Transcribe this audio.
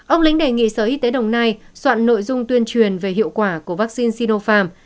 ông lĩnh đề nghị sở y tế đồng nai soạn nội dung tuyên truyền về hiệu quả của vaccine sidofarm